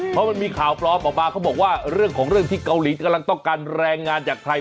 เพราะมันมีข่าวปลอมออกมาเขาบอกว่าเรื่องของเรื่องที่เกาหลีกำลังต้องการแรงงานจากใคร